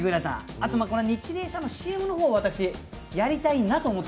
あとニチレイさんのＣＭの方を私、やりたいなと思って。